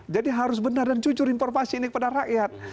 jadi harus benar dan jujur informasi ini kepada rakyat